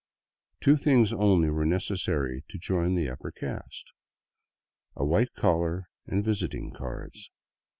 Two things only were necessary to join the upper caste, — a white collar and visiting cards.